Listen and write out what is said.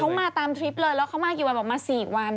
เขามาตามทริปเลยแล้วเขามากี่วันบอกมา๔วัน